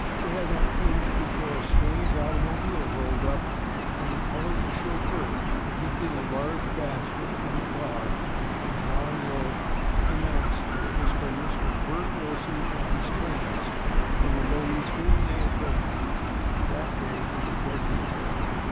They had not finished before a strange automobile rolled up and the colored chauffeur lifting a large basket from the car and bowing low, announced that it was for Mr. Bert Wilson and his friends from the ladies whom they had rescued that day from deadly peril.